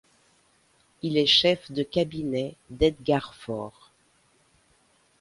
Il est chef de cabinet d'Edgar Faure.